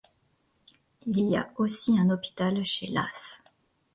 Il y a aussi un hôpital chez Laas.